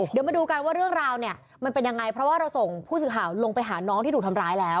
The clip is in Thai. เดี๋ยวมาดูกันว่าเรื่องราวเนี่ยมันเป็นยังไงเพราะว่าเราส่งผู้สื่อข่าวลงไปหาน้องที่ถูกทำร้ายแล้ว